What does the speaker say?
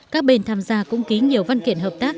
các bên tham gia cũng ký nhiều văn kiện hợp tác